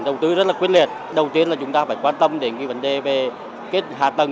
đầu tư rất là quyết liệt đầu tiên là chúng ta phải quan tâm đến cái vấn đề về kết hạ tầng